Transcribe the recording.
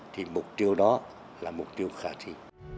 thì mục tiêu đó là mục tiêu khả thi